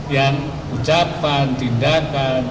yang ucapan tindakan